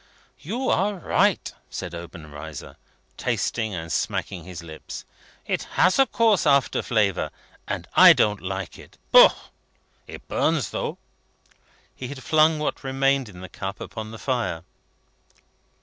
"You are right," said Obenreizer, tasting, and smacking his lips; "it has a coarse after flavour, and I don't like it. Booh! It burns, though!" He had flung what remained in the cup upon the fire.